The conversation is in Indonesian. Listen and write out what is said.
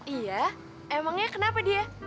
iya emangnya kenapa dia